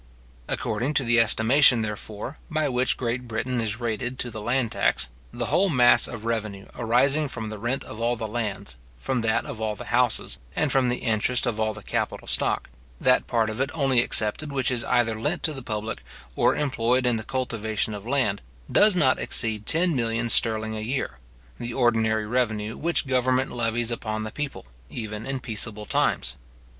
According to the estimation, therefore, by which Great Britain is rated to the land tax, the whole mass of revenue arising from the rent of all the lands, from that of all the houses, and from the interest of all the capital stock, that part of it only excepted which is either lent to the public, or employed in the cultivation of land, does not exceed ten millions sterling a year, the ordinary revenue which government levies upon the people, even in peaceable times.